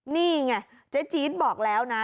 นี่ไงเจ๊จี๊ดบอกแล้วนะ